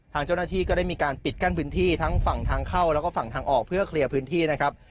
ทางเจ้าหน้าที่ก็ได้มีการปิดกั้นพื้นที่ทั้งฝั่งทางเข้าแล้วก็ฝั่งทางออกเพื่อเคลียร์พื้นที่นะครับ